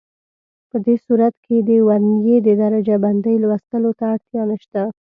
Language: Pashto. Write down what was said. په دې صورت کې د ورنيې د درجه بندۍ لوستلو ته اړتیا نشته.